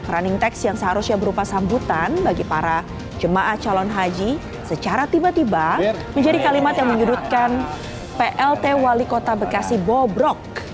running text yang seharusnya berupa sambutan bagi para jemaah calon haji secara tiba tiba menjadi kalimat yang menyudutkan plt wali kota bekasi bobrok